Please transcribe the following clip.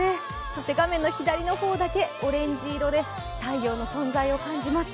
そして画面の左の方だけオレンジ色で、太陽の存在を感じます。